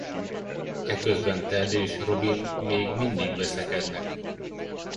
Eközben Ted és Robin még mindig veszekednek.